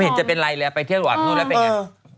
ไม่เห็นจะเป็นไรเลยไปเที่ยวหลวง